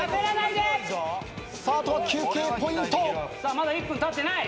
まだ１分たってない。